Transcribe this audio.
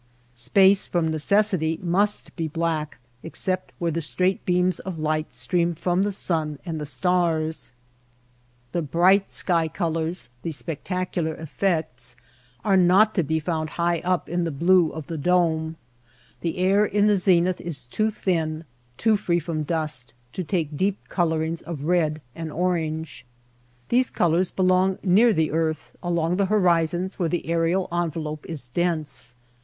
Space from necessity must be black except where the straight beams of light stream from the sun and the stars. The bright sky colors, the spectacular effects, are not to be found high up in the blue of the dome. The air in the zenith is too thin, too free from dust, to take deep colorings of red and orange. Those colors belong near the earth, along the horizons where the aerial envelope is dense.